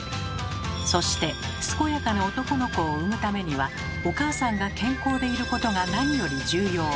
そして健やかな男の子を産むためにはお母さんが健康でいることが何より重要。